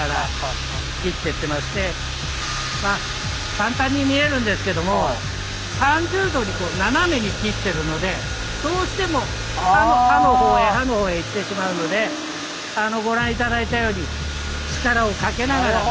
簡単に見えるんですけども３０°に斜めに切ってるのでどうしても刃のほうへ刃のほうへ行ってしまうのでご覧頂いたように力をかけながら。